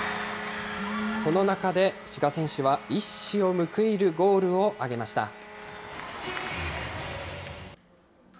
その中で志賀選手は一矢を報いるゴールを挙げました。